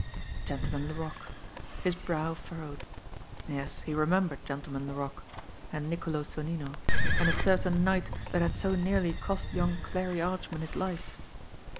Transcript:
Gentleman Laroque! His brow furrowed. Yes, he re membered Gentleman Laroque and Niccolo Sonnino and a certain night that had so nearly cost young Clarie Archman his life.